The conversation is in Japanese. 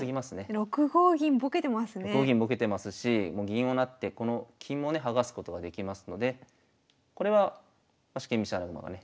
６五銀ぼけてますしもう銀を成ってこの金もね剥がすことができますのでこれは四間飛車穴熊がね